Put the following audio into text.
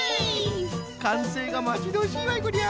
かんせいがまちどおしいわいこりゃ。